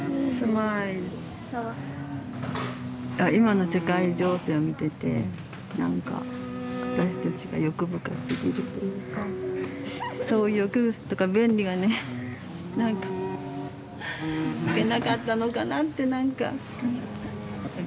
今の世界情勢を見てて何か私たちが欲深すぎるというかそう欲とか便利がね何かいけなかったのかなって何か。